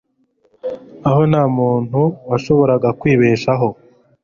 aho nta muntu washoboraga kwibeshaho